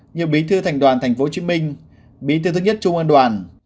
như bí thư thành đoàn tp hcm bí thư thứ nhất trung an đoàn